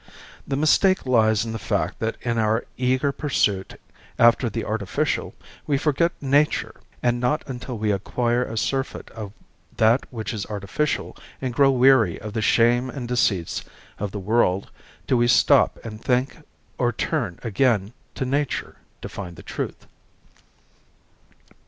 The mistake lies in the fact that in our eager pursuit after the artificial we forget nature and not until we acquire a surfeit of that which is artificial and grow weary of the shams and deceits of the world do we stop and think or turn again to nature to find the truth.